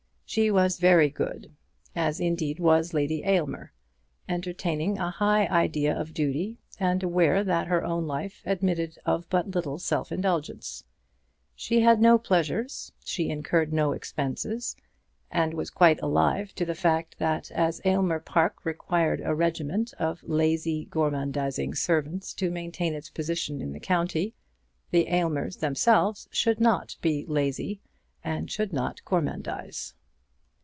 She was very good, as indeed was Lady Aylmer, entertaining a high idea of duty, and aware that her own life admitted of but little self indulgence. She had no pleasures, she incurred no expenses; and was quite alive to the fact that as Aylmer Park required a regiment of lazy, gormandizing servants to maintain its position in the county, the Aylmers themselves should not be lazy, and should not gormandize.